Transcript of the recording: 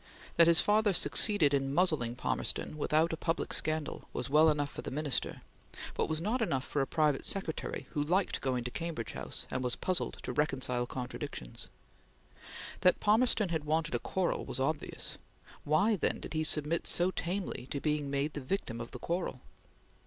That his father succeeded in muzzling Palmerston without a public scandal, was well enough for the Minister, but was not enough for a private secretary who liked going to Cambridge House, and was puzzled to reconcile contradictions. That Palmerston had wanted a quarrel was obvious; why, then, did he submit so tamely to being made the victim of the quarrel?